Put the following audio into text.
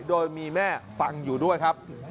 โดยมีแม่ฟังอยู่ด้วยครับ